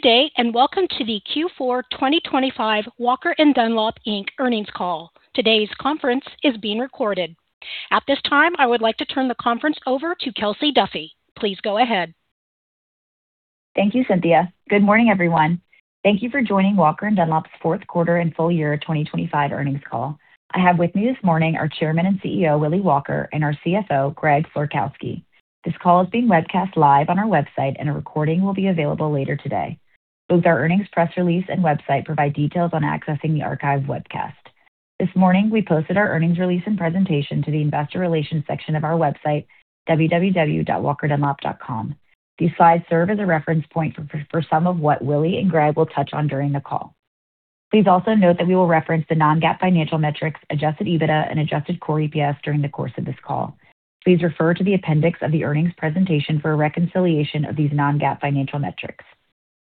Good day, welcome to the Q4 2025 Walker & Dunlop, Inc. Earnings Call. Today's conference is being recorded. At this time, I would like to turn the conference over to Kelsey Duffey. Please go ahead. Thank you, Cynthia. Good morning, everyone. Thank you for joining Walker & Dunlop's fourth quarter and full year 2025 earnings call. I have with me this morning our Chairman and CEO, Willy Walker, and our CFO, Greg Florkowski. This call is being webcast live on our website. A recording will be available later today. Both our earnings, press release, and website provide details on accessing the archive webcast. This morning, we posted our earnings release and presentation to the Investor Relations section of our website, www.walkerdunlop.com. These slides serve as a reference point for some of what Willy and Greg will touch on during the call. Please also note that we will reference the non-GAAP financial metrics, Adjusted EBITDA and adjusted core EPS during the course of this call. Please refer to the appendix of the earnings presentation for a reconciliation of these non-GAAP financial metrics.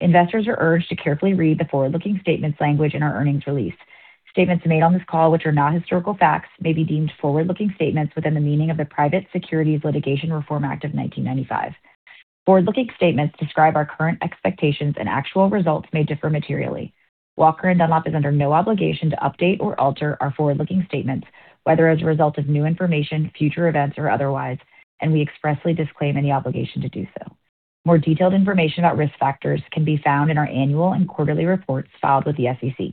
Investors are urged to carefully read the forward-looking statements language in our earnings release. Statements made on this call, which are not historical facts, may be deemed forward-looking statements within the meaning of the Private Securities Litigation Reform Act of 1995. Forward-looking statements describe our current expectations, and actual results may differ materially. Walker & Dunlop is under no obligation to update or alter our forward-looking statements, whether as a result of new information, future events, or otherwise, and we expressly disclaim any obligation to do so. More detailed information about risk factors can be found in our annual and quarterly reports filed with the SEC.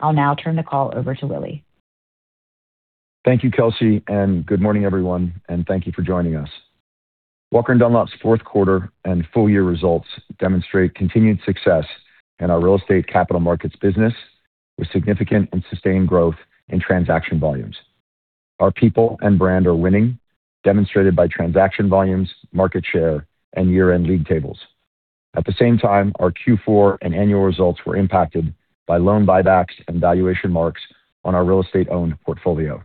I'll now turn the call over to Willy. Thank you, Kelsey. Good morning, everyone. Thank you for joining us. Walker & Dunlop's fourth quarter and full-year results demonstrate continued success in our real estate capital markets business, with significant and sustained growth in transaction volumes. Our people and brand are winning, demonstrated by transaction volumes, market share, and year-end league tables. At the same time, our Q4 and annual results were impacted by loan buybacks and valuation marks on our real estate-owned portfolio.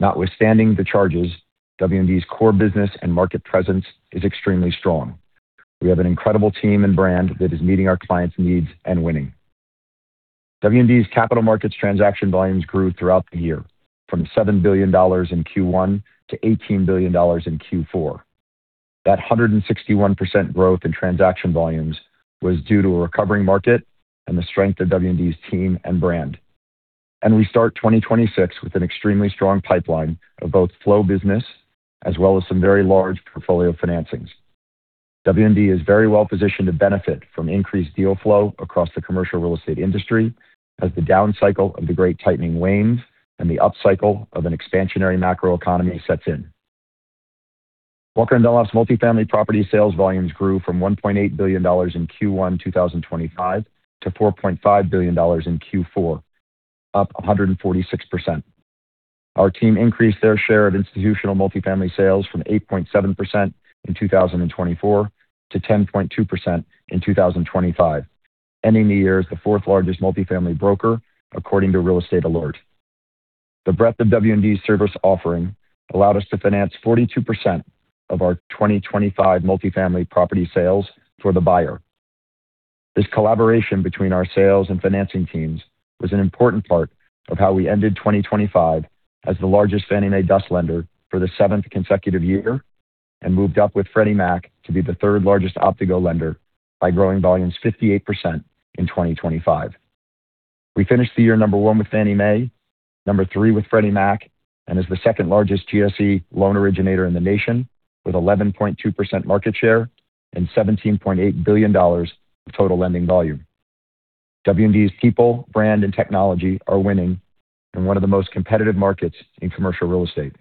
Notwithstanding the charges, W&D's core business and market presence is extremely strong. We have an incredible team and brand that is meeting our clients' needs and winning. W&D's capital markets transaction volumes grew throughout the year, from $7 billion in Q1 to $18 billion in Q4. That 161% growth in transaction volumes was due to a recovering market and the strength of W&D's team and brand. We start 2026 with an extremely strong pipeline of both flow business as well as some very large portfolio financings. W&D is very well positioned to benefit from increased deal flow across the commercial real estate industry as the down cycle of the great tightening wanes and the upcycle of an expansionary macroeconomy sets in. Walker & Dunlop's multifamily property sales volumes grew from $1.8 billion in Q1 2025 to $4.5 billion in Q4, up 146%. Our team increased their share of institutional multifamily sales from 8.7% in 2024 to 10.2% in 2025, ending the year as the fourth-largest multifamily broker, according to Real Estate Alert. The breadth of W&D's service offering allowed us to finance 42% of our 2025 multifamily property sales for the buyer. This collaboration between our sales and financing teams was an important part of how we ended 2025 as the largest Fannie Mae DUS lender for the seventh consecutive year and moved up with Freddie Mac to be the third-largest Optigo lender by growing volumes 58% in 2025. We finished the year number one with Fannie Mae, number three with Freddie Mac, and as the second-largest GSE loan originator in the nation, with 11.2% market share and $17.8 billion in total lending volume. W&D's people, brand, and technology are winning in one of the most competitive markets in commercial real estate.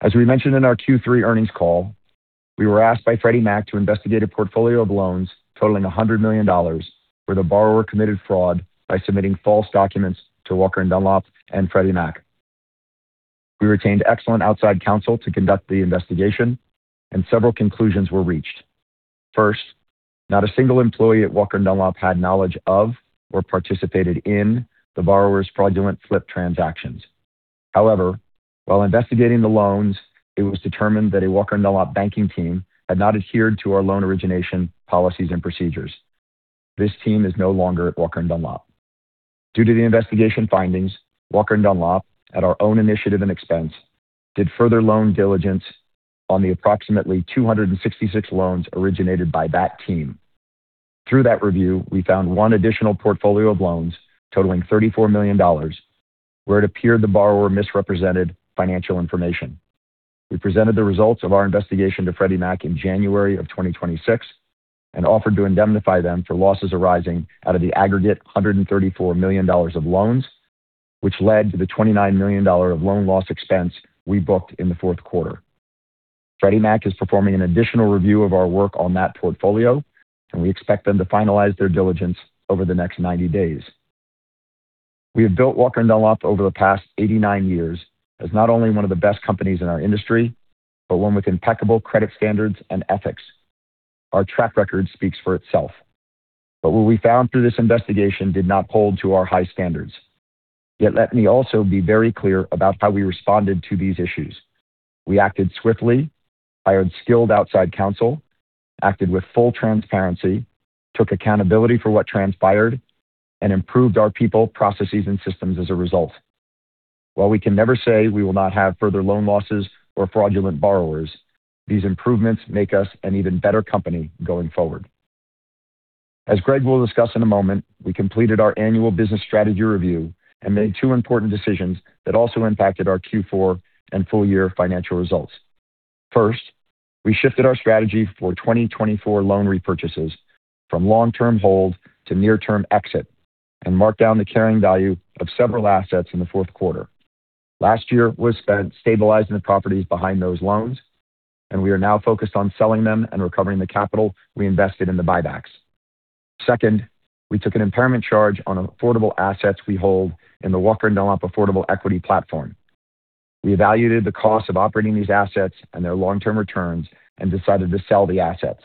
As we mentioned in our Q3 earnings call, we were asked by Freddie Mac to investigate a portfolio of loans totaling $100 million, where the borrower committed fraud by submitting false documents to Walker & Dunlop and Freddie Mac. We retained excellent outside counsel to conduct the investigation, and several conclusions were reached. First, not a single employee at Walker & Dunlop had knowledge of or participated in the borrower's fraudulent flip transactions. However, while investigating the loans, it was determined that a Walker & Dunlop banking team had not adhered to our loan origination policies and procedures. This team is no longer at Walker & Dunlop. Due to the investigation findings, Walker & Dunlop, at our own initiative and expense, did further loan diligence on the approximately 266 loans originated by that team. Through that review, we found one additional portfolio of loans totaling $34 million, where it appeared the borrower misrepresented financial information. We presented the results of our investigation to Freddie Mac in January 2026 and offered to indemnify them for losses arising out of the aggregate $134 million of loans, which led to the $29 million of loan loss expense we booked in the fourth quarter. Freddie Mac is performing an additional review of our work on that portfolio. We expect them to finalize their diligence over the next 90 days. We have built Walker & Dunlop over the past 89 years as not only one of the best companies in our industry, but one with impeccable credit standards and ethics. Our track record speaks for itself. What we found through this investigation did not hold to our high standards. Let me also be very clear about how we responded to these issues. We acted swiftly, hired skilled outside counsel, acted with full transparency, took accountability for what transpired, and improved our people, processes, and systems as a result. While we can never say we will not have further loan losses or fraudulent borrowers, these improvements make us an even better company going forward. As Greg will discuss in a moment, we completed our annual business strategy review and made two important decisions that also impacted our Q4 and full year financial results. First, we shifted our strategy for 2024 loan repurchases from long-term hold to near-term exit and marked down the carrying value of several assets in the fourth quarter. Last year was spent stabilizing the properties behind those loans, and we are now focused on selling them and recovering the capital we invested in the buybacks. Second, we took an impairment charge on affordable assets we hold in the Walker & Dunlop Affordable Equity platform. We evaluated the cost of operating these assets and their long-term returns and decided to sell the assets.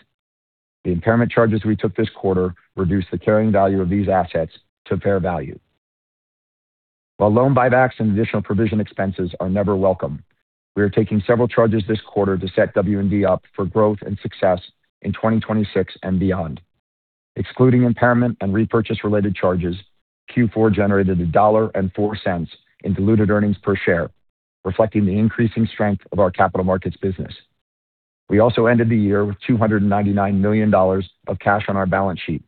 The impairment charges we took this quarter reduced the carrying value of these assets to fair value. While loan buybacks and additional provision expenses are never welcome, we are taking several charges this quarter to set W&D up for growth and success in 2026 and beyond. Excluding impairment and repurchase-related charges, Q4 generated $1.04 in diluted earnings per share, reflecting the increasing strength of our capital markets business. We also ended the year with $299 million of cash on our balance sheet,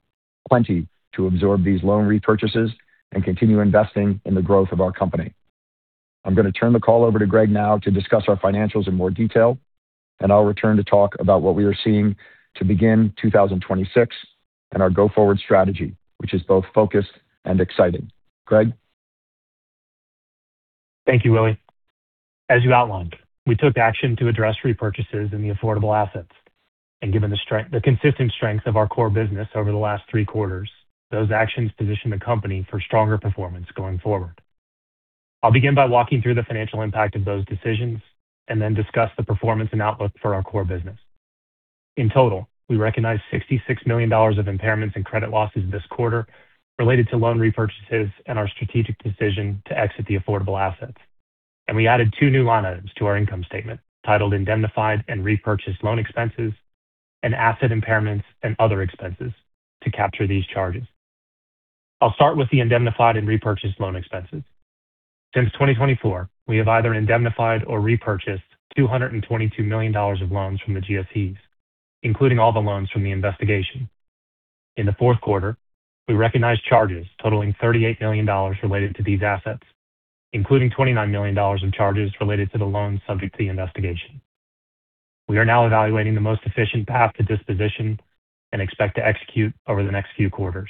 plenty to absorb these loan repurchases and continue investing in the growth of our company. I'm going to turn the call over to Greg now to discuss our financials in more detail. I'll return to talk about what we are seeing to begin 2026 and our go-forward strategy, which is both focused and exciting. Greg? Thank you, Willy. As you outlined, we took action to address repurchases in the affordable assets, and given the consistent strength of our core business over the last three quarters, those actions position the company for stronger performance going forward. I'll begin by walking through the financial impact of those decisions and then discuss the performance and outlook for our core business. In total, we recognized $66 million of impairments and credit losses this quarter related to loan repurchases and our strategic decision to exit the affordable assets. We added two new line items to our income statement, titled Indemnified and repurchased loan expenses and Asset impairments and other expenses, to capture these charges. I'll start with the indemnified and repurchased loan expenses. Since 2024, we have either indemnified or repurchased $222 million of loans from the GSEs, including all the loans from the investigation. In the fourth quarter, we recognized charges totaling $38 million related to these assets, including $29 million in charges related to the loans subject to the investigation. We are now evaluating the most efficient path to disposition and expect to execute over the next few quarters.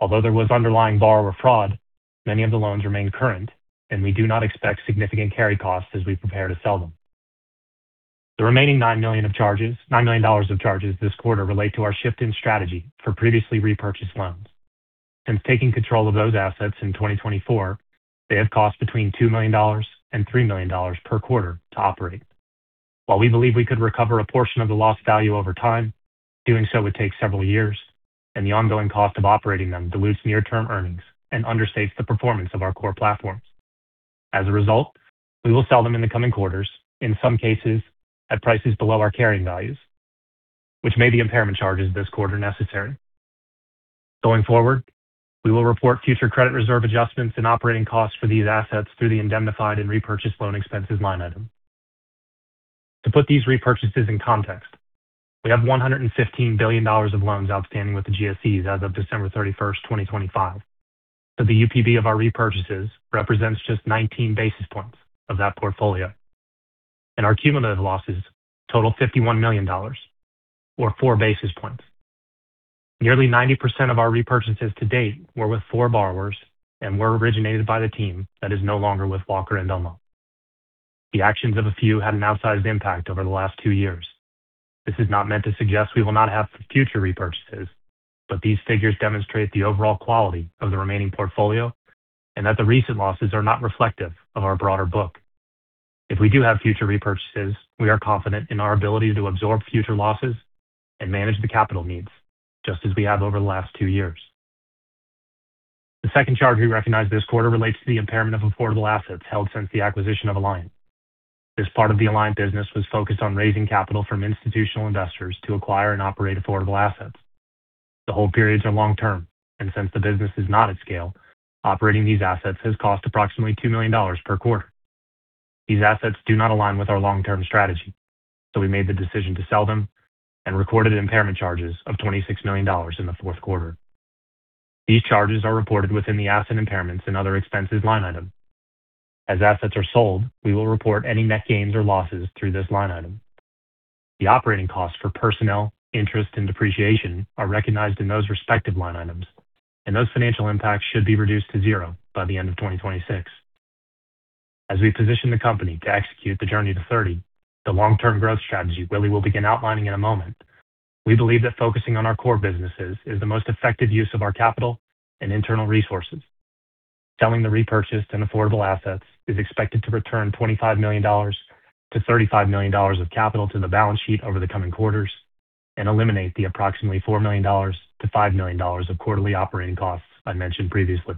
Although there was underlying borrower fraud, many of the loans remain current, and we do not expect significant carry costs as we prepare to sell them. The remaining $9 million of charges this quarter relate to our shift in strategy for previously repurchased loans. Since taking control of those assets in 2024, they have cost between $2 million and $3 million per quarter to operate. While we believe we could recover a portion of the lost value over time, doing so would take several years, and the ongoing cost of operating them dilutes near-term earnings and understates the performance of our core platforms. As a result, we will sell them in the coming quarters, in some cases, at prices below our carrying values, which made the impairment charges this quarter necessary. Going forward, we will report future credit reserve adjustments and operating costs for these assets through the indemnified and repurchased loan expenses line item. To put these repurchases in context, we have $115 billion of loans outstanding with the GSEs as of December 31st, 2025. The UPB of our repurchases represents just 19 basis points of that portfolio, and our cumulative losses total $51 million, or 4 basis points. Nearly 90% of our repurchases to date were with four borrowers and were originated by the team that is no longer with Walker & Dunlop. The actions of a few had an outsized impact over the last two years. This is not meant to suggest we will not have future repurchases, but these figures demonstrate the overall quality of the remaining portfolio and that the recent losses are not reflective of our broader book. If we do have future repurchases, we are confident in our ability to absorb future losses and manage the capital needs, just as we have over the last two years. The second charge we recognized this quarter relates to the impairment of affordable assets held since the acquisition of Alliant Capital. This part of the Alliant Capital business was focused on raising capital from institutional investors to acquire and operate affordable assets. The hold periods are long term, and since the business is not at scale, operating these assets has cost approximately $2 million per quarter. These assets do not align with our long-term strategy, so we made the decision to sell them and recorded impairment charges of $26 million in the fourth quarter. These charges are reported within the asset impairments and other expenses line item. As assets are sold, we will report any net gains or losses through this line item. The operating costs for personnel, interest, and depreciation are recognized in those respective line items, and those financial impacts should be reduced to zero by the end of 2026. As we position the company to execute the Journey to '30, the long-term growth strategy Willy will begin outlining in a moment, we believe that focusing on our core businesses is the most effective use of our capital and internal resources. Selling the repurchased and affordable assets is expected to return $25 million-$35 million of capital to the balance sheet over the coming quarters and eliminate the approximately $4 million-$5 million of quarterly operating costs I mentioned previously.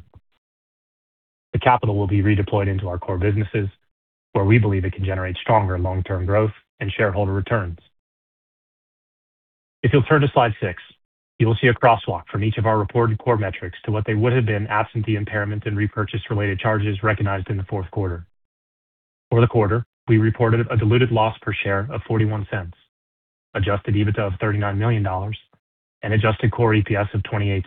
The capital will be redeployed into our core businesses, where we believe it can generate stronger long-term growth and shareholder returns. If you'll turn to slide six, you will see a crosswalk from each of our reported core metrics to what they would have been absent the impairment and repurchase related charges recognized in the fourth quarter. For the quarter, we reported a diluted loss per share of $0.41, Adjusted EBITDA of $39 million, and adjusted core EPS of $0.28.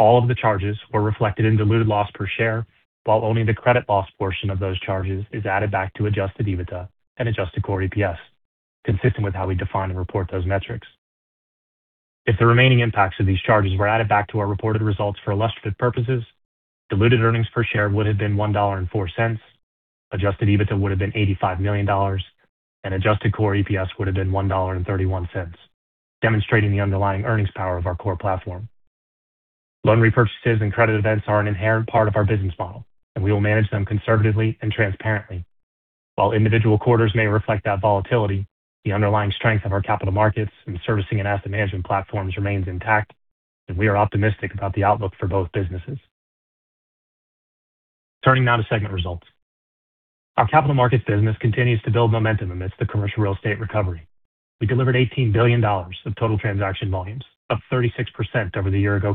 All of the charges were reflected in diluted loss per share, while only the credit loss portion of those charges is added back to Adjusted EBITDA and adjusted core EPS, consistent with how we define and report those metrics. If the remaining impacts of these charges were added back to our reported results for illustrative purposes, diluted earnings per share would have been $1.04, Adjusted EBITDA would have been $85 million, and adjusted core EPS would have been $1.31, demonstrating the underlying earnings power of our core platform. Loan repurchases and credit events are an inherent part of our business model, and we will manage them conservatively and transparently. While individual quarters may reflect that volatility, the underlying strength of our capital markets and servicing and asset management platforms remains intact, and we are optimistic about the outlook for both businesses. Turning now to segment results. Our capital markets business continues to build momentum amidst the commercial real estate recovery. We delivered $18 billion of total transaction volumes, up 36% over the year ago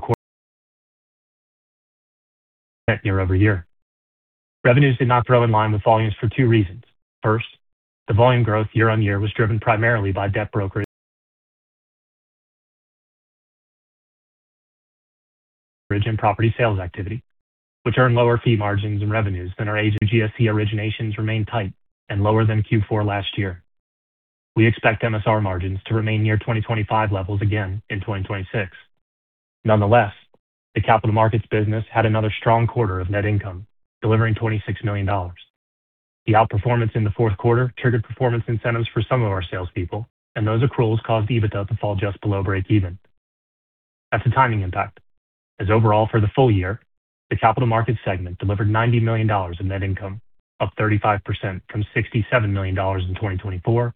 quarter, year-over-year. Revenues did not grow in line with volumes for two reasons. First, the volume growth year-on-year was driven primarily by debt brokerage and property sales activity, which earn lower fee margins and revenues than our GSE originations remained tight and lower than Q4 last year. We expect MSR margins to remain near 2025 levels again in 2026. Nonetheless, the capital markets business had another strong quarter of net income, delivering $26 million. The outperformance in the fourth quarter triggered performance incentives for some of our salespeople, and those accruals caused EBITDA to fall just below breakeven. That's a timing impact, as overall, for the full year, the capital markets segment delivered $90 million in net income, up 35% from $67 million in 2024,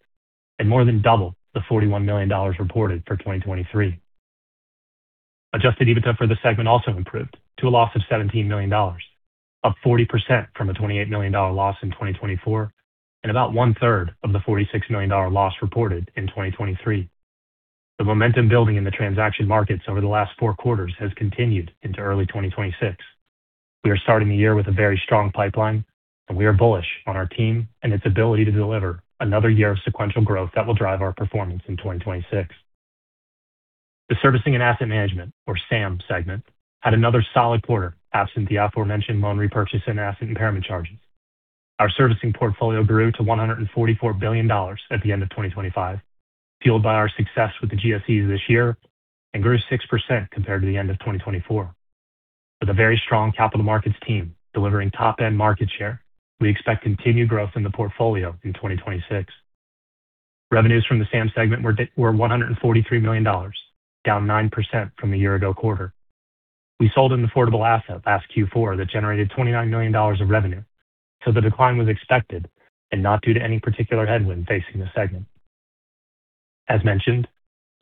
and more than double the $41 million reported for 2023. Adjusted EBITDA for the segment also improved to a loss of $17 million, up 40% from a $28 million loss in 2024, and about one-third of the $46 million loss reported in 2023. The momentum building in the transaction markets over the last four quarters has continued into early 2026. We are starting the year with a very strong pipeline, and we are bullish on our team and its ability to deliver another year of sequential growth that will drive our performance in 2026. The servicing and asset management, or SAM segment, had another solid quarter absent the aforementioned loan repurchase and asset impairment charges. Our servicing portfolio grew to $144 billion at the end of 2025, fueled by our success with the GSEs this year and grew 6% compared to the end of 2024. With a very strong capital markets team delivering top-end market share, we expect continued growth in the portfolio in 2026. Revenues from the SAM segment were $143 million, down 9% from the year ago quarter. We sold an affordable asset last Q4 that generated $29 million of revenue, so the decline was expected and not due to any particular headwind facing the segment. As mentioned,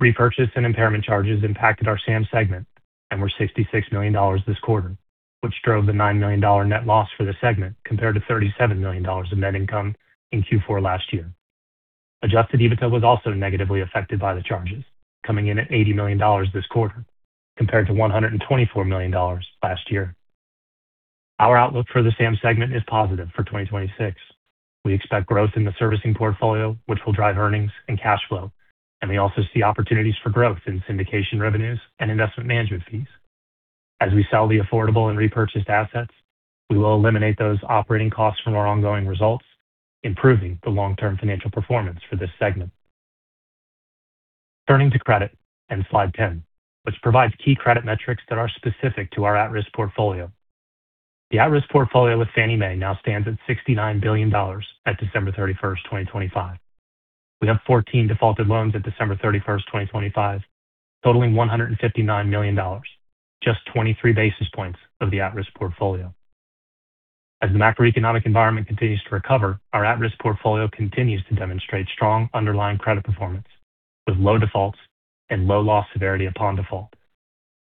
repurchase and impairment charges impacted our SAM segment and were $66 million this quarter, which drove the $9 million net loss for the segment, compared to $37 million of net income in Q4 last year. Adjusted EBITDA was also negatively affected by the charges, coming in at $80 million this quarter, compared to $124 million last year. Our outlook for the SAM segment is positive for 2026. We expect growth in the servicing portfolio, which will drive earnings and cash flow, and we also see opportunities for growth in syndication revenues and investment management fees. As we sell the affordable and repurchased assets, we will eliminate those operating costs from our ongoing results, improving the long-term financial performance for this segment. Turning to credit, slide 10, which provides key credit metrics that are specific to our at-risk portfolio. The at-risk portfolio with Fannie Mae now stands at $69 billion at December 31st, 2025. We have 14 defaulted loans at December 31st, 2025, totaling $159 million, just 23 basis points of the at-risk portfolio. As the macroeconomic environment continues to recover, our at-risk portfolio continues to demonstrate strong underlying credit performance, with low defaults and low loss severity upon default.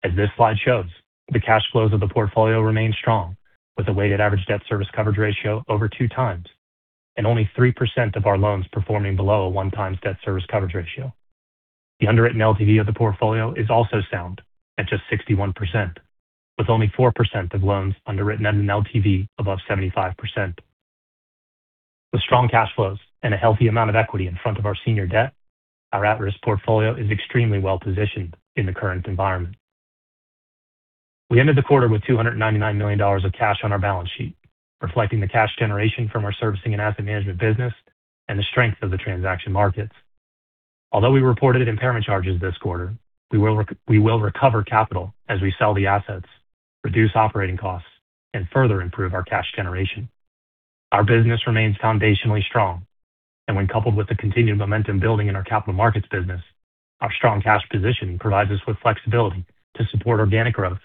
As this slide shows, the cash flows of the portfolio remain strong, with a weighted average debt service coverage ratio over 2x and only 3% of our loans performing below a 1x debt service coverage ratio. The underwritten LTV of the portfolio is also sound at just 61%, with only 4% of loans underwritten at an LTV above 75%. With strong cash flows and a healthy amount of equity in front of our senior debt, our at-risk portfolio is extremely well-positioned in the current environment. We ended the quarter with $299 million of cash on our balance sheet, reflecting the cash generation from our servicing and asset management business and the strength of the transaction markets. Although we reported impairment charges this quarter, we will recover capital as we sell the assets, reduce operating costs, and further improve our cash generation. When coupled with the continued momentum building in our capital markets business, our strong cash position provides us with flexibility to support organic growth,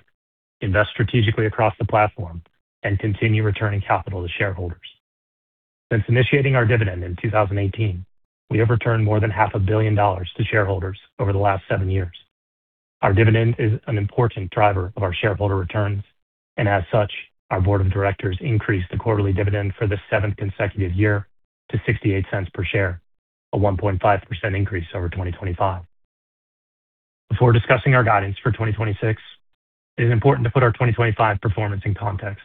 invest strategically across the platform, and continue returning capital to shareholders. Since initiating our dividend in 2018, we have returned more than half a billion dollars to shareholders over the last seven years. As such, our board of directors increased the quarterly dividend for the seventh consecutive year to $0.68 per share, a 1.5% increase over 2025. Before discussing our guidance for 2026, it is important to put our 2025 performance in context.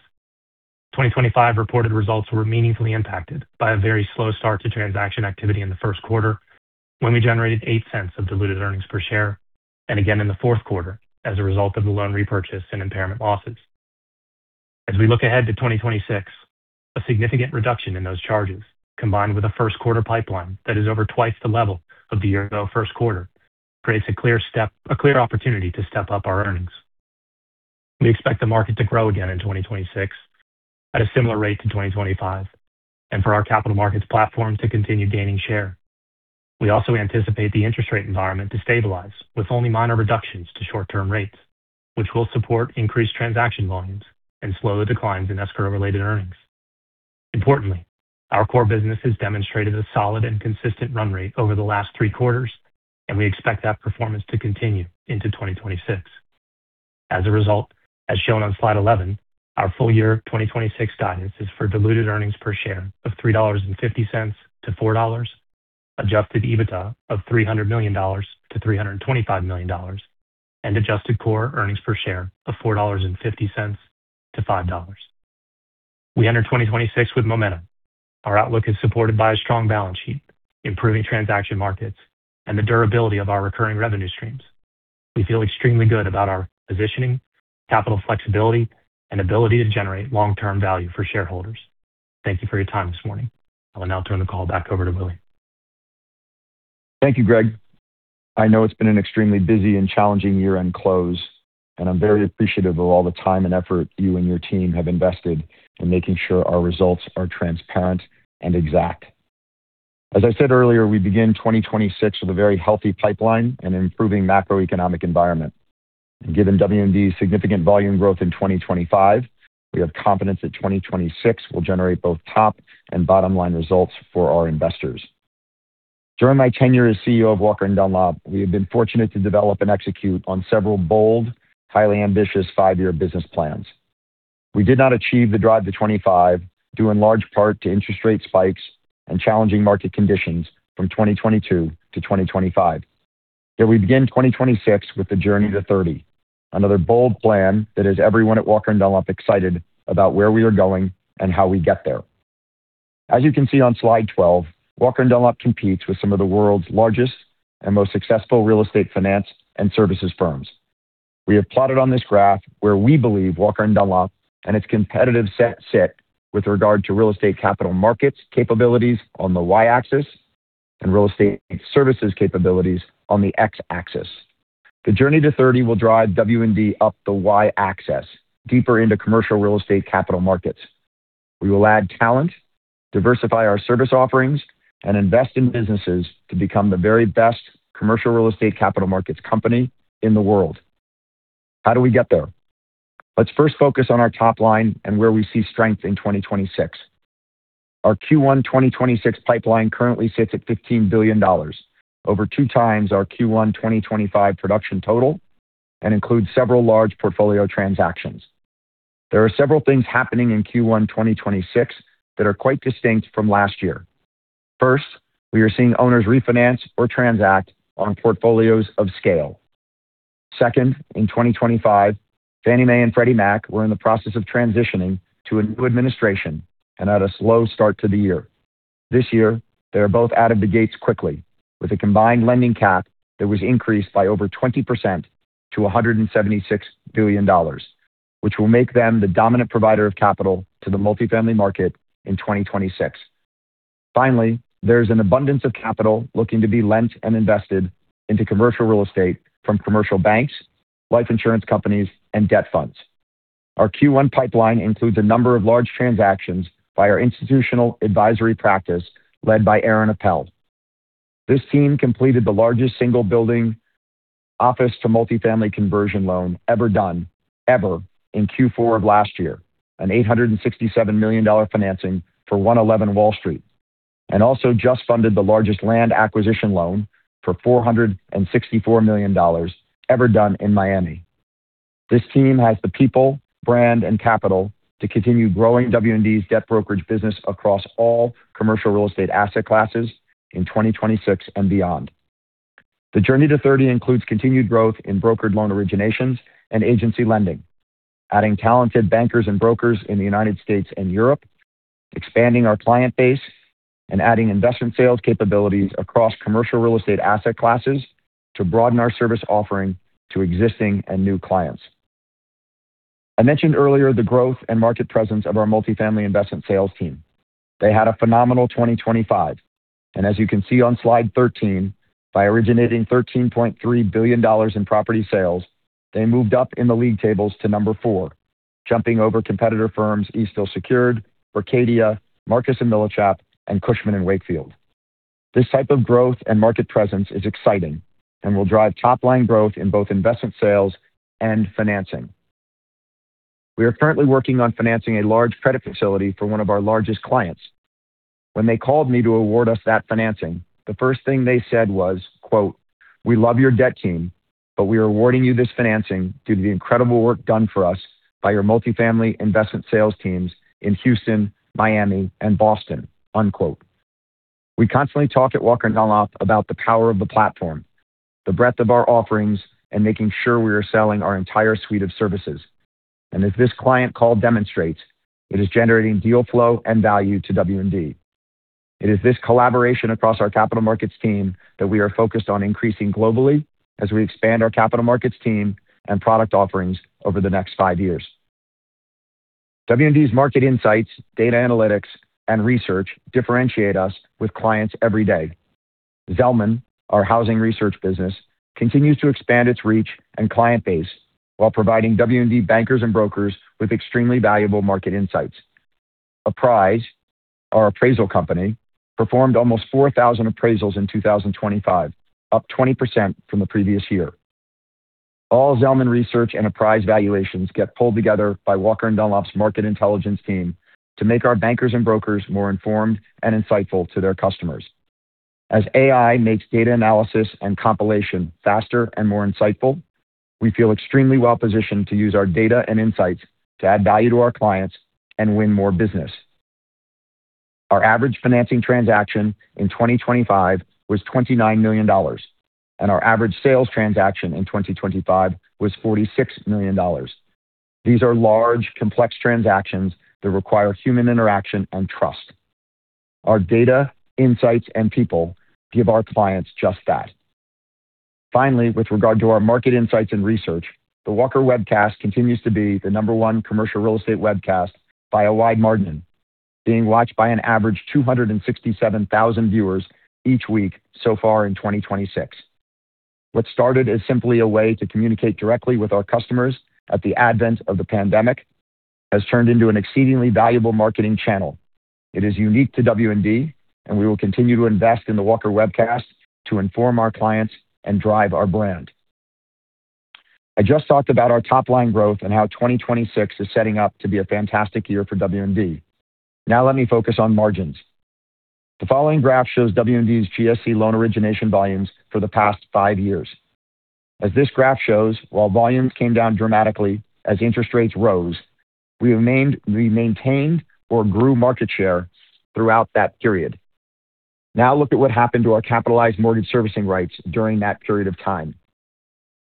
2025 reported results were meaningfully impacted by a very slow start to transaction activity in the first quarter, when we generated $0.08 of diluted earnings per share, and again in the fourth quarter as a result of the loan repurchase and impairment losses. As we look ahead to 2026, a significant reduction in those charges, combined with a first quarter pipeline that is over 2x the level of the year-ago first quarter, creates a clear opportunity to step up our earnings. We expect the market to grow again in 2026 at a similar rate to 2025, and for our capital markets platform to continue gaining share. We also anticipate the interest rate environment to stabilize, with only minor reductions to short-term rates, which will support increased transaction volumes and slow the declines in escrow-related earnings. Importantly, our core business has demonstrated a solid and consistent run rate over the last three quarters, and we expect that performance to continue into 2026. As a result, as shown on slide 11, our full year 2026 guidance is for diluted earnings per share of $3.50-$4, Adjusted EBITDA of $300 million-$325 million, and adjusted core earnings per share of $4.50-$5. We enter 2026 with momentum. Our outlook is supported by a strong balance sheet, improving transaction markets, and the durability of our recurring revenue streams. We feel extremely good about our positioning, capital flexibility, and ability to generate long-term value for shareholders. Thank you for your time this morning. I will now turn the call back over to Willy. Thank you, Greg. I know it's been an extremely busy and challenging year-end close, and I'm very appreciative of all the time and effort you and your team have invested in making sure our results are transparent and exact. As I said earlier, we begin 2026 with a very healthy pipeline and improving macroeconomic environment. Given W&D's significant volume growth in 2025, we have confidence that 2026 will generate both top and bottom-line results for our investors. During my tenure as CEO of Walker & Dunlop, we have been fortunate to develop and execute on several bold, highly ambitious five-year business plans. We did not achieve the Drive to '25, due in large part to interest rate spikes and challenging market conditions from 2022-2025. We begin 2026 with the Journey to '30, another bold plan that has everyone at Walker & Dunlop excited about where we are going and how we get there. As you can see on slide 12, Walker & Dunlop competes with some of the world's largest and most successful real estate finance and services firms. We have plotted on this graph where we believe Walker & Dunlop and its competitive set sit with regard to real estate capital markets capabilities on the Y-axis and real estate services capabilities on the X-axis. The Journey to '30 will drive W&D up the Y-axis deeper into commercial real estate capital markets. We will add talent, diversify our service offerings, and invest in businesses to become the very best commercial real estate capital markets company in the world. How do we get there? Let's first focus on our top line and where we see strength in 2026. Our Q1 2026 pipeline currently sits at $15 billion, over 2 times our Q1 2025 production total, and includes several large portfolio transactions. There are several things happening in Q1 2026 that are quite distinct from last year. First, we are seeing owners refinance or transact on portfolios of scale. Second, in 2025, Fannie Mae and Freddie Mac were in the process of transitioning to a new administration and had a slow start to the year. This year, they are both out of the gates quickly, with a combined lending cap that was increased by over 20% to $176 billion, which will make them the dominant provider of capital to the multifamily market in 2026. Finally, there's an abundance of capital looking to be lent and invested into commercial real estate from commercial banks, life insurance companies, and debt funds. Our Q1 pipeline includes a number of large transactions by our institutional advisory practice, led by Aaron Appel. This team completed the largest single building office to multifamily conversion loan ever done, ever, in Q4 of last year, an $867 million financing for 111 Wall Street, and also just funded the largest land acquisition loan for $464 million ever done in Miami. This team has the people, brand, and capital to continue growing W&D's debt brokerage business across all commercial real estate asset classes in 2026 and beyond. The Journey to '30 includes continued growth in brokered loan originations and agency lending, adding talented bankers and brokers in the United States and Europe, expanding our client base, and adding investment sales capabilities across commercial real estate asset classes to broaden our service offering to existing and new clients. I mentioned earlier the growth and market presence of our multifamily investment sales team. They had a phenomenal 2025. As you can see on slide 13, by originating $13.3 billion in property sales, they moved up in the league tables to number four, jumping over competitor firms Eastdil Secured, Meridian Capital Group, Marcus & Millichap, and Cushman & Wakefield. This type of growth and market presence is exciting and will drive top-line growth in both investment sales and financing. We are currently working on financing a large credit facility for one of our largest clients. When they called me to award us that financing, the first thing they said was, quote, "We love your debt team, but we are awarding you this financing due to the incredible work done for us by your multifamily investment sales teams in Houston, Miami, and Boston," unquote. We constantly talk at Walker & Dunlop about the power of the platform, the breadth of our offerings, and making sure we are selling our entire suite of services. As this client call demonstrates, it is generating deal flow and value to W&D. It is this collaboration across our capital markets team that we are focused on increasing globally as we expand our capital markets team and product offerings over the next five years. W&D's market insights, data analytics, and research differentiate us with clients every day. Zelman, our housing research business, continues to expand its reach and client base while providing W&D bankers and brokers with extremely valuable market insights. Apprise, our appraisal company, performed almost 4,000 appraisals in 2025, up 20% from the previous year. All Zelman research and Apprise valuations get pulled together by Walker & Dunlop's market intelligence team to make our bankers and brokers more informed and insightful to their customers. As AI makes data analysis and compilation faster and more insightful, we feel extremely well-positioned to use our data and insights to add value to our clients and win more business. Our average financing transaction in 2025 was $29 million, and our average sales transaction in 2025 was $46 million. These are large, complex transactions that require human interaction and trust. Our data, insights, and people give our clients just that. Finally, with regard to our market insights and research, the Walker Webcast continues to be the number one commercial real estate webcast by a wide margin, being watched by an average 267,000 viewers each week so far in 2026. What started as simply a way to communicate directly with our customers at the advent of the pandemic, has turned into an exceedingly valuable marketing channel. It is unique to W&D, and we will continue to invest in the Walker Webcast to inform our clients and drive our brand. I just talked about our top-line growth and how 2026 is setting up to be a fantastic year for W&D. Now let me focus on margins. The following graph shows W&D's GSE loan origination volumes for the past five years. As this graph shows, while volumes came down dramatically as interest rates rose, we maintained or grew market share throughout that period. Now, look at what happened to our capitalized Mortgage Servicing Rights during that period of time.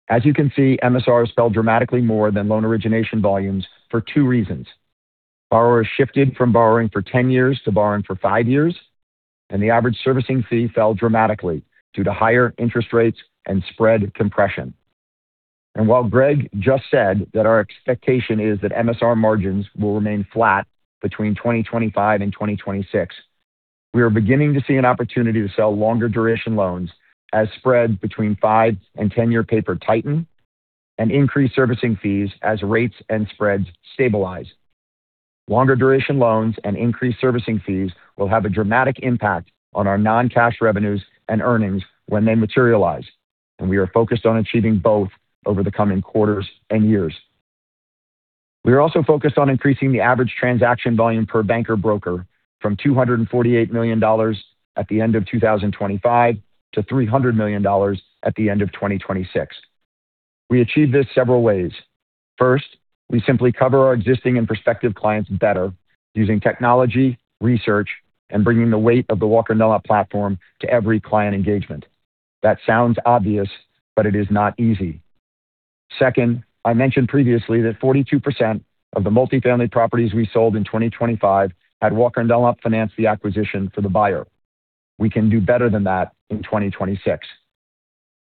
As you can see, MSRs fell dramatically more than loan origination volumes for two reasons: borrowers shifted from borrowing for 10 years to borrowing for five years, and the average servicing fee fell dramatically due to higher interest rates and spread compression. While Greg just said that our expectation is that MSR margins will remain flat between 2025 and 2026, we are beginning to see an opportunity to sell longer duration loans as spreads between five and 10-year paper tighten and increase servicing fees as rates and spreads stabilize. Longer duration loans and increased servicing fees will have a dramatic impact on our non-cash revenues and earnings when they materialize, and we are focused on achieving both over the coming quarters and years. We are also focused on increasing the average transaction volume per banker broker from $248 million at the end of 2025 to $300 million at the end of 2026. We achieve this several ways. First, we simply cover our existing and prospective clients better using technology, research, and bringing the weight of the Walker & Dunlop platform to every client engagement. That sounds obvious, but it is not easy. Second, I mentioned previously that 42% of the multifamily properties we sold in 2025 had Walker & Dunlop finance the acquisition for the buyer. We can do better than that in 2026.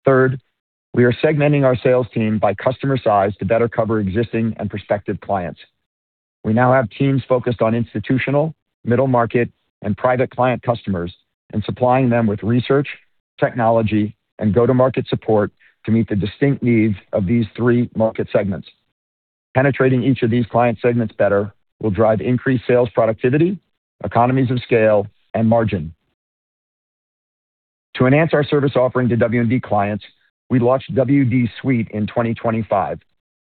Third, we are segmenting our sales team by customer size to better cover existing and prospective clients. We now have teams focused on institutional, middle market, and private client customers and supplying them with research, technology, and go-to-market support to meet the distinct needs of these three market segments. Penetrating each of these client segments better will drive increased sales, productivity, economies of scale, and margin. To enhance our service offering to W&D clients, we launched W&D Suite in 2025,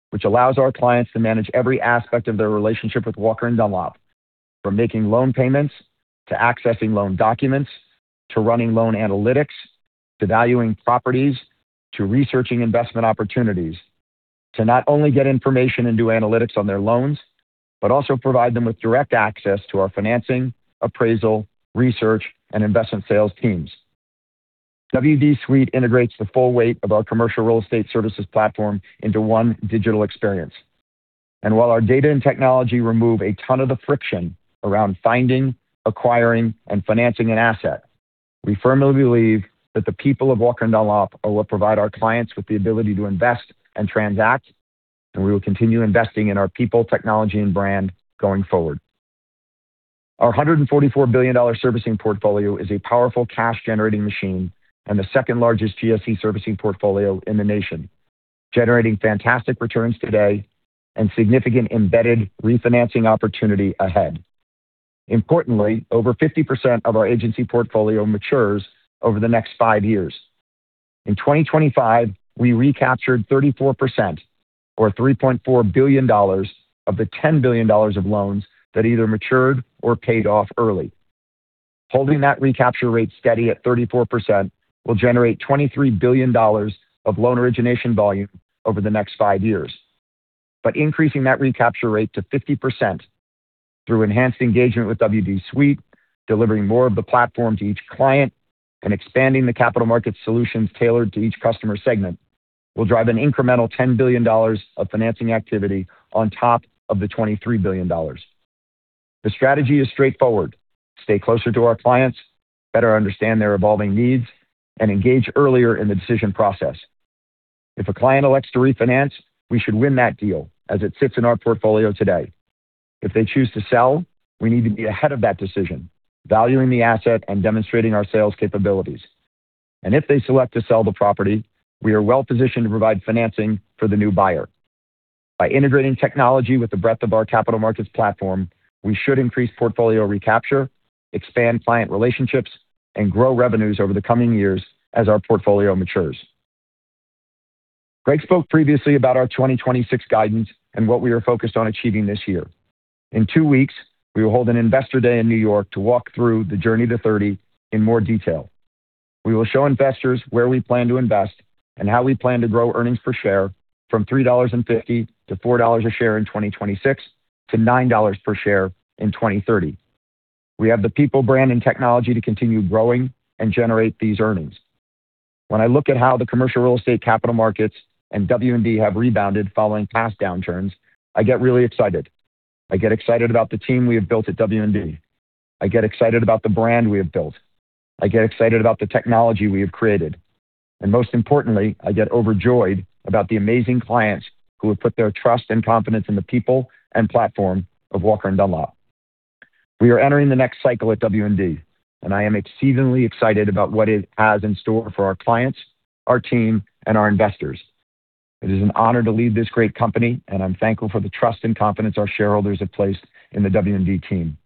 which allows our clients to manage every aspect of their relationship with Walker & Dunlop, from making loan payments to accessing loan documents, to running loan analytics, to valuing properties, to researching investment opportunities, to not only get information and do analytics on their loans, but also provide them with direct access to our financing, appraisal, research, and investment sales teams. WDSuite integrates the full weight of our commercial real estate services platform into one digital experience. While our data and technology remove a ton of the friction around finding, acquiring, and financing an asset, we firmly believe that the people of Walker & Dunlop will provide our clients with the ability to invest and transact, and we will continue investing in our people, technology, and brand going forward. Our $144 billion servicing portfolio is a powerful cash-generating machine and the second-largest GSE servicing portfolio in the nation, generating fantastic returns today and significant embedded refinancing opportunity ahead. Importantly, over 50% of our agency portfolio matures over the next 5 years. In 2025, we recaptured 34%, or $3.4 billion, of the $10 billion of loans that either matured or paid off early. Holding that recapture rate steady at 34% will generate $23 billion of loan origination volume over the next 5 years. Increasing that recapture rate to 50% through enhanced engagement with WDSuite, delivering more of the platform to each client, and expanding the capital market solutions tailored to each customer segment, will drive an incremental $10 billion of financing activity on top of the $23 billion. The strategy is straightforward: stay closer to our clients, better understand their evolving needs, and engage earlier in the decision process. If a client elects to refinance, we should win that deal as it sits in our portfolio today. If they choose to sell, we need to be ahead of that decision, valuing the asset and demonstrating our sales capabilities. If they select to sell the property, we are well-positioned to provide financing for the new buyer. By integrating technology with the breadth of our capital markets platform, we should increase portfolio recapture, expand client relationships, and grow revenues over the coming years as our portfolio matures. Greg spoke previously about our 2026 guidance and what we are focused on achieving this year. In two weeks, we will hold an investor day in New York to walk through the Journey to '30 in more detail. We will show investors where we plan to invest and how we plan to grow earnings per share from $3.50-$4 a share in 2026 to $9 per share in 2030. We have the people, brand, and technology to continue growing and generate these earnings. When I look at how the commercial real estate capital markets and W&D have rebounded following past downturns, I get really excited. I get excited about the team we have built at W&D. I get excited about the brand we have built. I get excited about the technology we have created. Most importantly, I get overjoyed about the amazing clients who have put their trust and confidence in the people and platform of Walker & Dunlop. We are entering the next cycle at W&D. I am exceedingly excited about what it has in store for our clients, our team, and our investors. It is an honor to lead this great company. I'm thankful for the trust and confidence our shareholders have placed in the W&D team.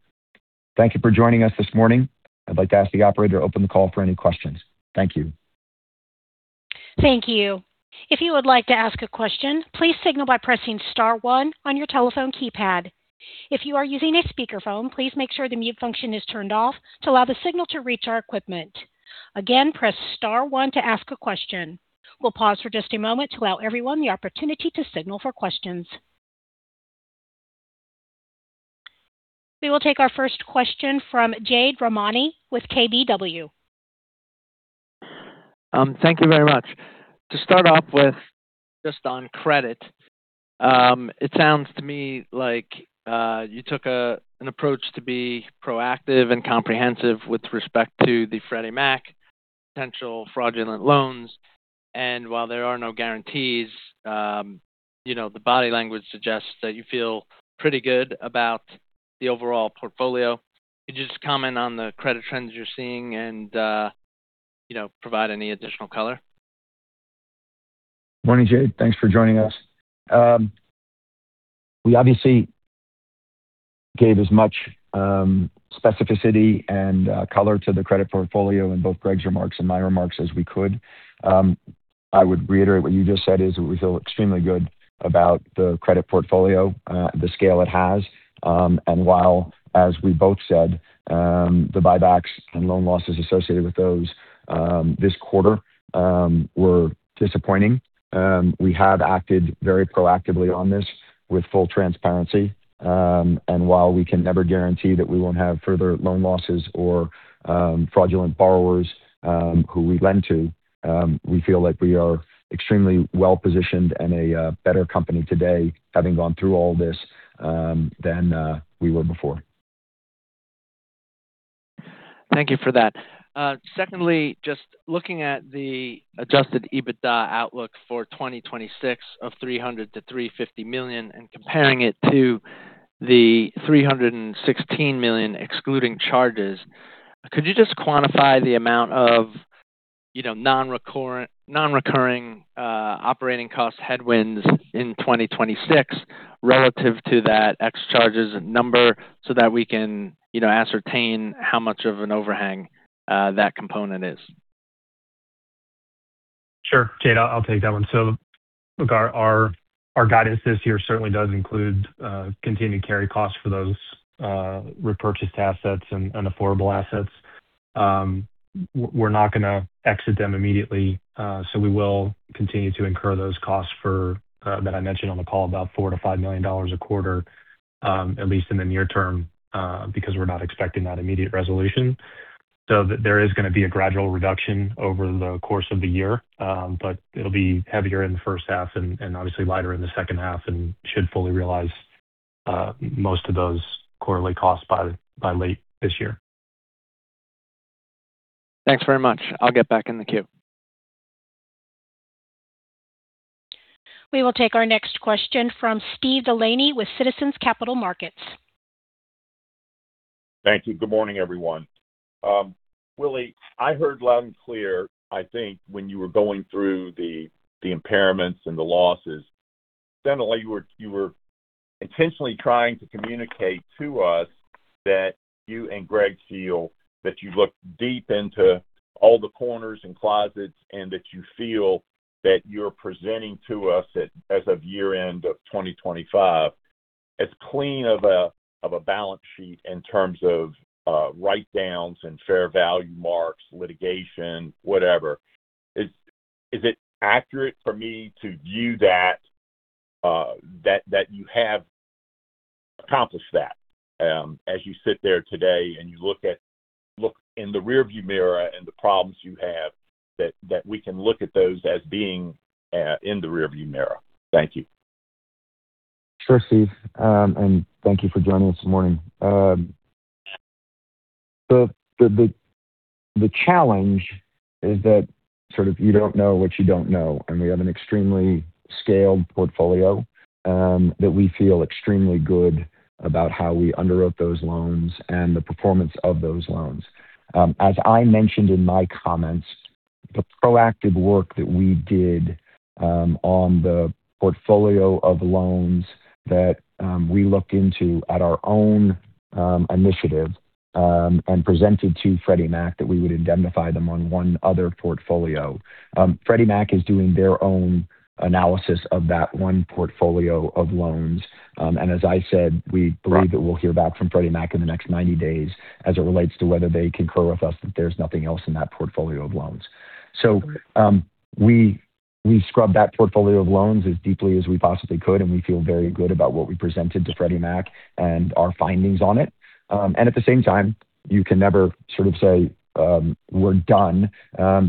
Thank you for joining us this morning. I'd like to ask the operator to open the call for any questions. Thank you. Thank you. If you would like to ask a question, please signal by pressing star one on your telephone keypad. If you are using a speakerphone, please make sure the mute function is turned off to allow the signal to reach our equipment. Again, press star one to ask a question. We'll pause for just a moment to allow everyone the opportunity to signal for questions. We will take our first question from Jade Rahmani with KBW. Thank you very much. To start off with, just on credit, it sounds to me like you took an approach to be proactive and comprehensive with respect to the Freddie Mac potential fraudulent loans. While there are no guarantees, you know, the body language suggests that you feel pretty good about the overall portfolio. Could you just comment on the credit trends you're seeing and, you know, provide any additional color? Morning, Jade. Thanks for joining us. We obviously gave as much specificity and color to the credit portfolio in both Greg's remarks and my remarks as we could. I would reiterate what you just said is, we feel extremely good about the credit portfolio, the scale it has. While, as we both said, the buybacks and loan losses associated with those, this quarter, were disappointing, we have acted very proactively on this with full transparency. While we can never guarantee that we won't have further loan losses or fraudulent borrowers, who we lend to, we feel like we are extremely well-positioned and a better company today, having gone through all this, than we were before. Thank you for that. Secondly, just looking at the Adjusted EBITDA outlook for 2026 of $300 million-$350 million and comparing it to the $316 million, excluding charges, could you just quantify the amount of, you know, non-recurring operating cost headwinds in 2026 relative to that ex charges number so that we can, you know, ascertain how much of an overhang that component is? Sure. Jade, I'll take that one. Look, our guidance this year certainly does include continued carry costs for those repurchased assets and unaffordable assets. We're not going to exit them immediately. We will continue to incur those costs for that I mentioned on the call, about $4 million-$5 million a quarter, at least in the near term, because we're not expecting that immediate resolution. There is going to be a gradual reduction over the course of the year, but it'll be heavier in the first half and obviously lighter in the second half and should fully realize most of those quarterly costs by late this year. Thanks very much. I'll get back in the queue. We will take our next question from Steve Delaney with Citizens Capital Markets. Thank you. Good morning, everyone. Willy, I heard loud and clear, I think, when you were going through the impairments and the losses, generally, you were intentionally trying to communicate to us that you and Greg feel that you looked deep into all the corners and closets, and that you feel that you're presenting to us as of year-end of 2025, as clean of a balance sheet in terms of write-downs and fair value marks, litigation, whatever. Is it accurate for me to view that you have accomplished that as you sit there today and you look in the rearview mirror and the problems you have, that we can look at those as being in the rearview mirror? Thank you. Sure, Steve. Thank you for joining us this morning. The challenge is that sort of you don't know what you don't know. We have an extremely scaled portfolio that we feel extremely good about how we underwrote those loans and the performance of those loans. As I mentioned in my comments, the proactive work that we did on the portfolio of loans that we looked into at our own initiative and presented to Freddie Mac, that we would indemnify them on one other portfolio. Freddie Mac is doing their own analysis of that one portfolio of loans. As I said, we believe that we'll hear back from Freddie Mac in the next 90 days as it relates to whether they concur with us that there's nothing else in that portfolio of loans. We scrubbed that portfolio of loans as deeply as we possibly could, and we feel very good about what we presented to Freddie Mac and our findings on it. And at the same time, you can never sort of say, we're done,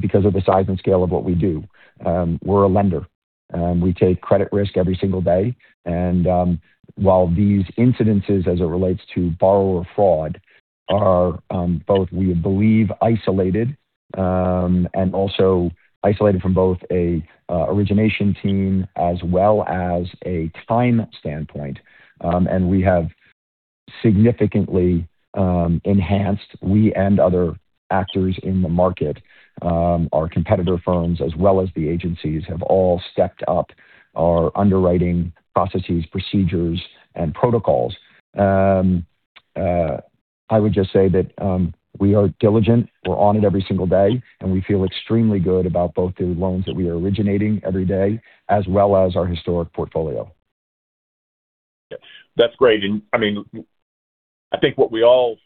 because of the size and scale of what we do. We're a lender. We take credit risk every single day. While these incidences as it relates to borrower fraud are, both, we believe, isolated, and also isolated from both a origination team as well as a time standpoint. And we have significantly enhanced, we and other actors in the market, our competitor firms as well as the agencies, have all stepped up our underwriting processes, procedures, and protocols. I would just say that, we are diligent, we're on it every single day, and we feel extremely good about both the loans that we are originating every day, as well as our historic portfolio. Yeah, that's great. I mean, I think what we all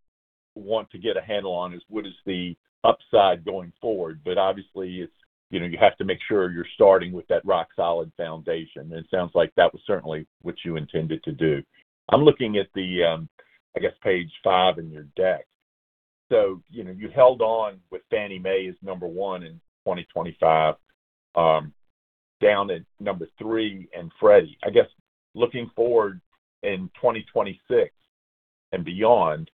want to get a handle on is what is the upside going forward. Obviously, it's, you know, you have to make sure you're starting with that rock-solid foundation, and it sounds like that was certainly what you intended to do. I'm looking at the, I guess page five in your deck. You know, you held on with Fannie Mae as number one in 2025, down at number three, and Freddie. Looking forward in 2026 and beyond,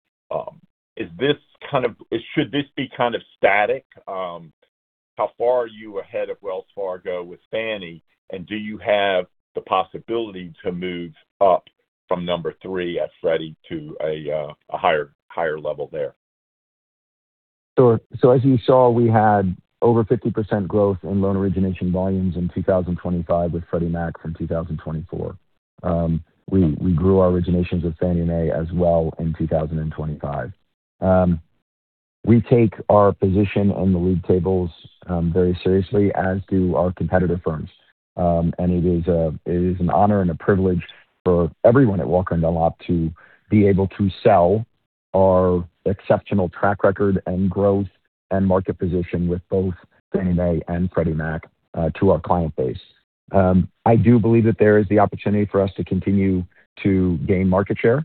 should this be kind of static? How far are you ahead of Wells Fargo with Fannie, and do you have the possibility to move up from number three at Freddie to a higher level there? Sure. As you saw, we had over 50% growth in loan origination volumes in 2025 with Freddie Mac from 2024. We grew our originations with Fannie Mae as well in 2025. We take our position on the lead tables very seriously, as do our competitive firms. It is an honor and a privilege for everyone at Walker & Dunlop to be able to sell our exceptional track record and growth and market position with both Fannie Mae and Freddie Mac to our client base. I do believe that there is the opportunity for us to continue to gain market share.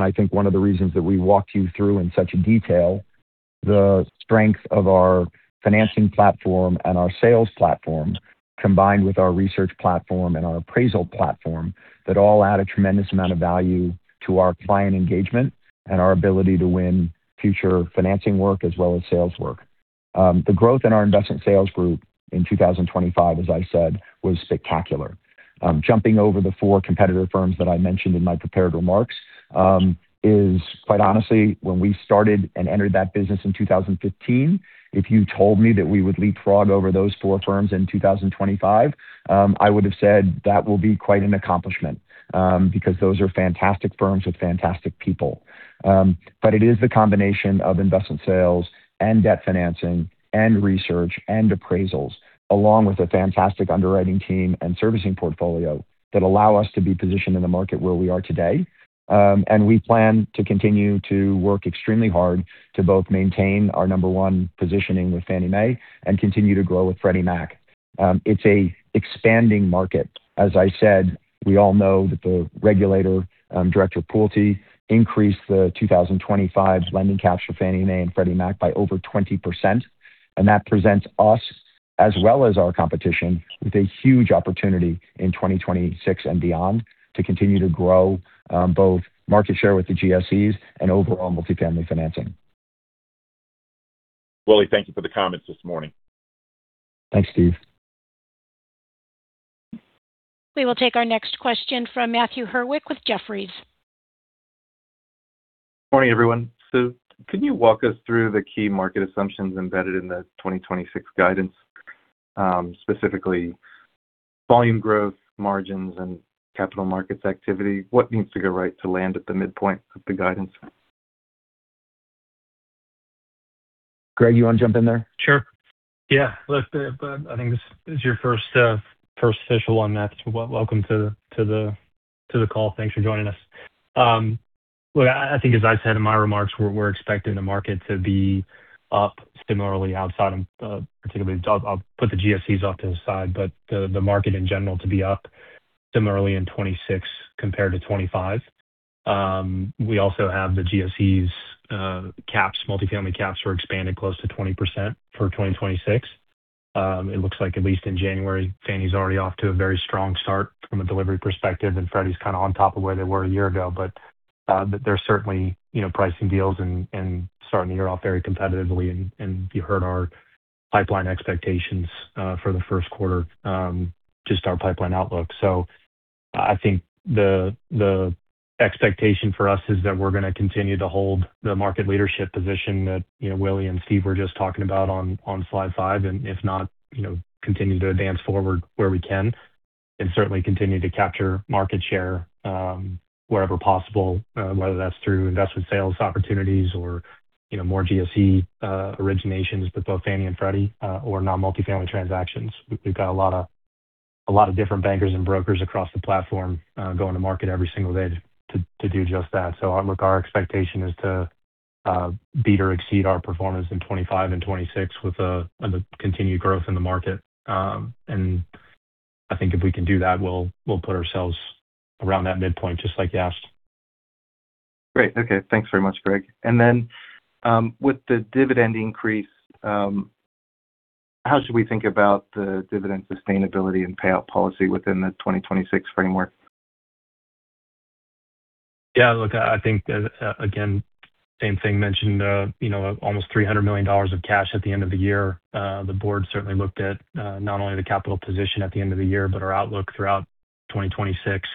I think one of the reasons that we walked you through in such detail, the strength of our financing platform and our sales platform, combined with our research platform and our appraisal platform, that all add a tremendous amount of value to our client engagement and our ability to win future financing work as well as sales work. The growth in our investment sales group in 2025, as I said, was spectacular. Jumping over the four competitor firms that I mentioned in my prepared remarks, is quite honestly, when we started and entered that business in 2015, if you told me that we would leapfrog over those four firms in 2025, I would have said that will be quite an accomplishment, because those are fantastic firms with fantastic people. It is the combination of investment sales and debt financing and research and appraisals, along with a fantastic underwriting team and servicing portfolio, that allow us to be positioned in the market where we are today. We plan to continue to work extremely hard to both maintain our number one positioning with Fannie Mae and continue to grow with Freddie Mac. It's a expanding market. As I said, we all know that the regulator, Director Pulte, increased the 2025 lending caps for Fannie Mae and Freddie Mac by over 20%, and that presents us as well as our competition, with a huge opportunity in 2026 and beyond to continue to grow both market share with the GSEs and overall multifamily financing. Willy, thank you for the comments this morning. Thanks, Steve. We will take our next question from Matthew Hurwit with Jefferies. Morning, everyone. Can you walk us through the key market assumptions embedded in the 2026 guidance, specifically volume growth, margins, and capital markets activity? What needs to go right to land at the midpoint of the guidance? Greg, you want to jump in there? Sure. I think this is your first official one. That's welcome to the call. Thanks for joining us. I think as I said in my remarks, we're expecting the market to be up similarly outside of particularly I'll put the GSEs off to the side, but the market in general to be up similarly in 26 compared to 25. We also have the GSEs caps. Multifamily caps were expanded close to 20% for 2026. It looks like at least in January, Fannie's already off to a very strong start from a delivery perspective, and Freddie's kind of on top of where they were a year ago. They're certainly, you know, pricing deals and starting the year off very competitively. You heard our pipeline expectations for the first quarter, just our pipeline outlook. I think the expectation for us is that we're going to continue to hold the market leadership position that, you know, Willy and Steve were just talking about on slide five. If not, you know, continue to advance forward where we can and certainly continue to capture market share wherever possible, whether that's through investment sales opportunities or, you know, more GSE originations with both Fannie and Freddie or non-multifamily transactions. We've got a lot of different bankers and brokers across the platform going to market every single day to do just that. Look, our expectation is to beat or exceed our performance in 2025 and 2026 with the continued growth in the market. I think if we can do that, we'll put ourselves around that midpoint, just like you asked. Great. Okay, thanks very much, Greg. With the dividend increase, how should we think about the dividend sustainability and payout policy within the 2026 framework? Yeah, look, I think, again, same thing mentioned, you know, almost $300 million of cash at the end of the year. The board certainly looked at, not only the capital position at the end of the year, but our outlook throughout 2026.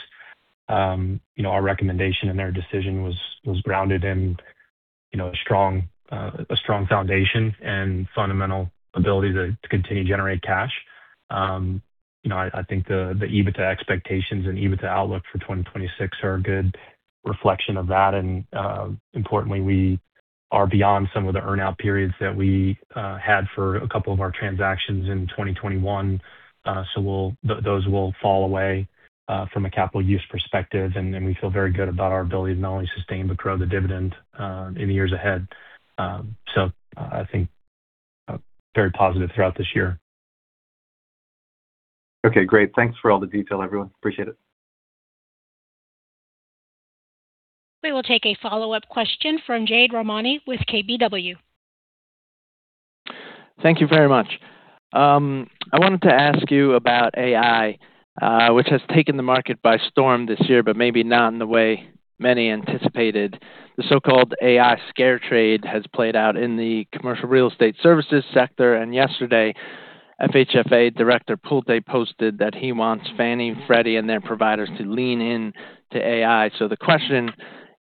You know, our recommendation and their decision was grounded in, you know, a strong, a strong foundation and fundamental ability to continue to generate cash. You know, I think the EBITDA expectations and EBITDA outlook for 2026 are a good reflection of that. Importantly, we are beyond some of the earn-out periods that we had for a couple of our transactions in 2021. Those will fall away from a capital use perspective, and then we feel very good about our ability to not only sustain but grow the dividend in the years ahead. I think, very positive throughout this year. Okay, great. Thanks for all the detail, everyone. Appreciate it. We will take a follow-up question from Jade Rahmani with KBW. Thank you very much. I wanted to ask you about AI, which has taken the market by storm this year, but maybe not in the way many anticipated. The so-called AI scare trade has played out in the commercial real estate services sector, yesterday, FHFA Director Pulte posted that he wants Fannie, Freddie, and their providers to lean in to AI. The question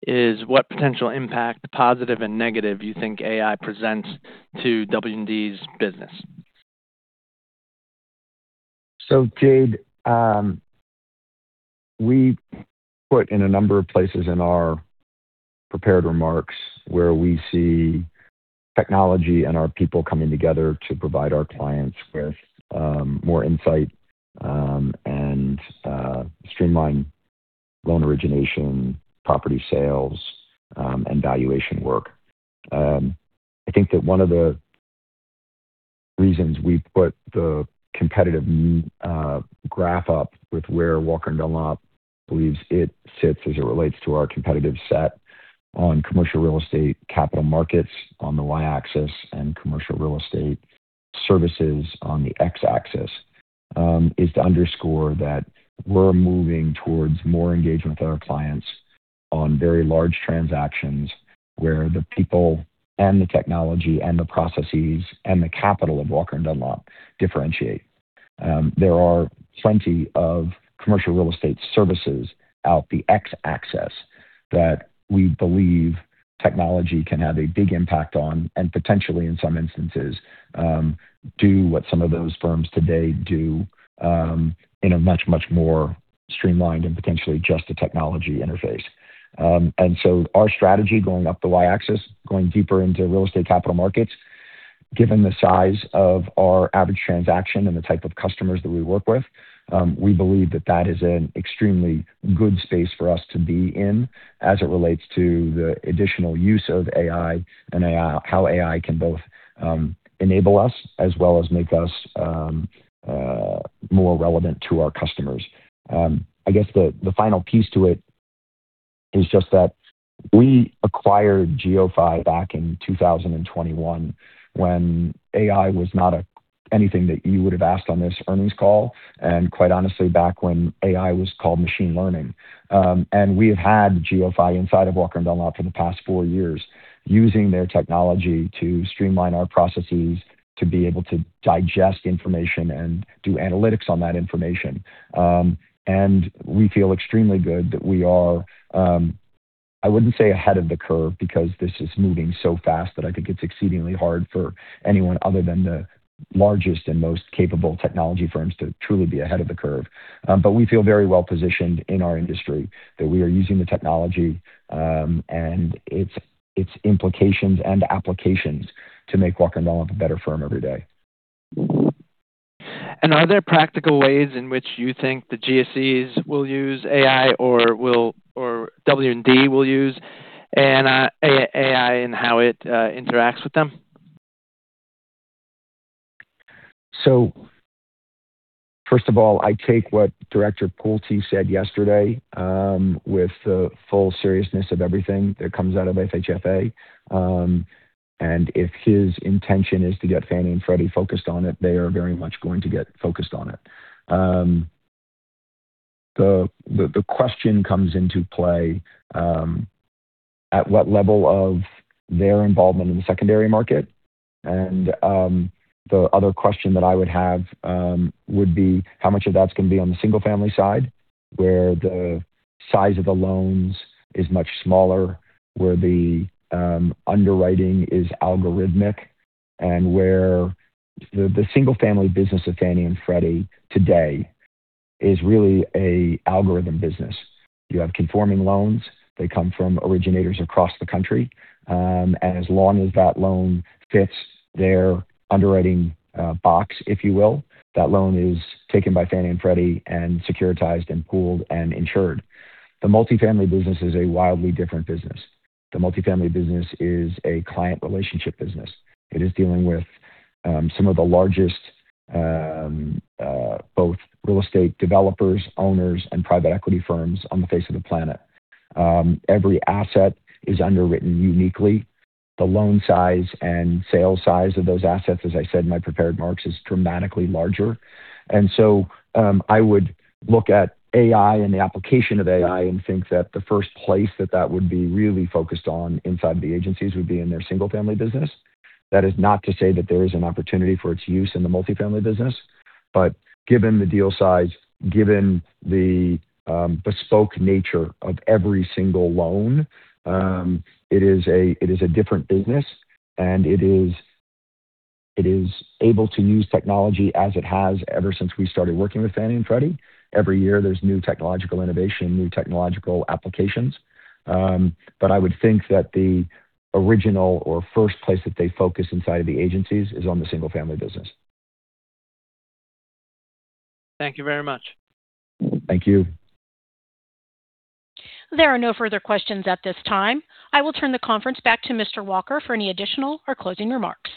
is: What potential impact, positive and negative, you think AI presents to W&D's business? Jade, we put in a number of places in our prepared remarks where we see technology and our people coming together to provide our clients with more insight and streamline loan origination, property sales, and valuation work. I think that one of the reasons we put the competitive graph up with where Walker & Dunlop believes it sits as it relates to our competitive set on commercial real estate capital markets on the Y-axis and commercial real estate services on the X-axis is to underscore that we're moving towards more engagement with our clients on very large transactions where the people and the technology and the processes and the capital of Walker & Dunlop differentiate. There are plenty of commercial real estate services out the X-axis that we believe technology can have a big impact on and potentially, in some instances, do what some of those firms today do, in a much, much more streamlined and potentially just a technology interface. Our strategy going up the Y-axis, going deeper into real estate capital markets, given the size of our average transaction and the type of customers that we work with, we believe that that is an extremely good space for us to be in as it relates to the additional use of AI, how AI can both, enable us as well as make us, more relevant to our customers. I guess the final piece to it is just that we acquired GeoPhy back in 2021, when AI was not anything that you would have asked on this earnings call, and quite honestly, back when AI was called machine learning. We have had GeoPhy inside of Walker & Dunlop for the past four years, using their technology to streamline our processes, to be able to digest information and do analytics on that information. We feel extremely good that we are. I wouldn't say ahead of the curve, because this is moving so fast that I think it's exceedingly hard for anyone other than the largest and most capable technology firms to truly be ahead of the curve. We feel very well positioned in our industry, that we are using the technology, and its implications and applications to make Walker & Dunlop a better firm every day. Are there practical ways in which you think the GSEs will use AI, or W&D will use an AI and how it interacts with them? First of all, I take what Director Poole said yesterday, with the full seriousness of everything that comes out of FHFA. If his intention is to get Fannie and Freddie focused on it, they are very much going to get focused on it. The question comes into play, at what level of their involvement in the secondary market. The other question that I would have, would be: How much of that's going to be on the single-family side, where the size of the loans is much smaller, where the underwriting is algorithmic, and where the single-family business of Fannie and Freddie today is really a algorithm business. You have conforming loans. They come from originators across the country, and as long as that loan fits their underwriting box, if you will, that loan is taken by Fannie and Freddie and securitized and pooled and insured. The multifamily business is a wildly different business. The multifamily business is a client relationship business. It is dealing with some of the largest, both real estate developers, owners, and private equity firms on the face of the planet. Every asset is underwritten uniquely. The loan size and sale size of those assets, as I said in my prepared remarks, is dramatically larger. I would look at AI and the application of AI and think that the first place that that would be really focused on inside the agencies would be in their single-family business. That is not to say that there is an opportunity for its use in the multifamily business, but given the deal size, given the bespoke nature of every single loan, it is a different business, and it is able to use technology as it has ever since we started working with Fannie and Freddie. Every year there's new technological innovation, new technological applications. I would think that the original or first place that they focus inside of the agencies is on the single-family business. Thank you very much. Thank you. There are no further questions at this time. I will turn the conference back to Mr. Walker for any additional or closing remarks.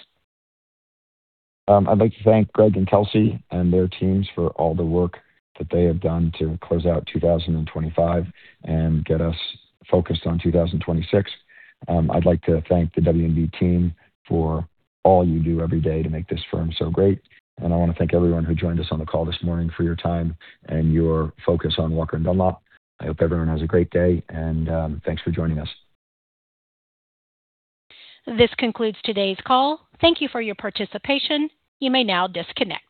I'd like to thank Greg and Kelsey and their teams for all the work that they have done to close out 2025 and get us focused on 2026. I'd like to thank the W&D team for all you do every day to make this firm so great. I want to thank everyone who joined us on the call this morning for your time and your focus on Walker & Dunlop. I hope everyone has a great day, and thanks for joining us. This concludes today's call. Thank you for your participation. You may now disconnect.